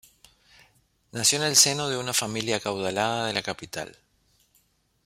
Nació en el seno de una familia acaudalada de la capital.